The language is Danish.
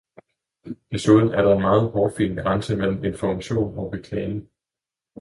Desuden er der en meget hårfin grænse mellem information og reklame.